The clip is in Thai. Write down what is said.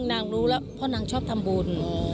รู้แล้วเพราะนางชอบทำบุญ